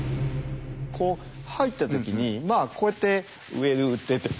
こう入った時にこうやって上を打って。